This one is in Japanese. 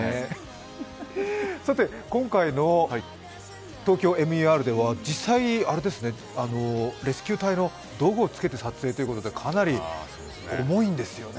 今回の「ＴＯＫＹＯＭＥＲ」では実際にレスキュー隊の道具を着けて撮影ということでかなり重いんですよね？